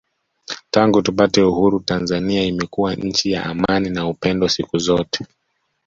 Tangu tupate Uhuru Tanzania imekuwa nchi ya amani na upendo siku zote